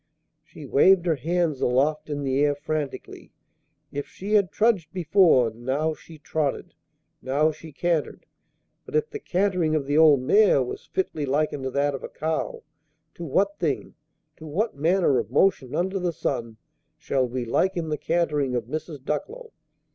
She waved her hands aloft in the air frantically. If she had trudged before, now she trotted, now she cantered; but, if the cantering of the old mare was fitly likened to that of a cow, to what thing, to what manner of motion under the sun, shall we liken the cantering of Mrs. Ducklow?